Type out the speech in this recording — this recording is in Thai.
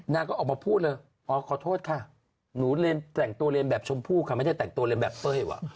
นางก็ออกมาพูดเลยอ๋อขอโทษค่ะหนูเรียนแต่งตัวเรียนแบบชมพู่ค่ะไม่ได้แต่งตัวเรียนแบบเป้ยว่ะ